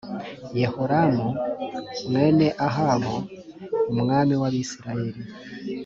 yehoramu mwene ahabu umwami w abisirayeli